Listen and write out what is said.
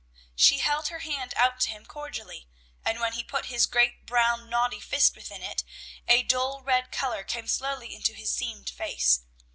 She held her hand out to him cordially, and when he put his great brown knotty fist within it, a dull red color came slowly into his seamed face.